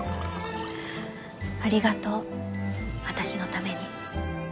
ありがとう私のために。